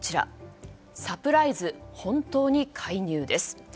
サプライズ、本当に介入です。